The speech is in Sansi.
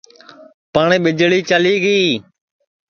پٹؔ ٻیجݪی چلی گی